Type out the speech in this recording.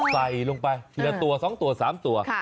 ใส่ลงไปทีละตัว๒ตัว๓ตัว